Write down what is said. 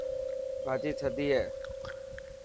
ڀاڄي ٿدي هي.